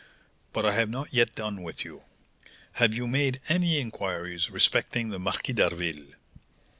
But I have not yet done with you. Have you made any inquiries respecting the Marquis d'Harville?"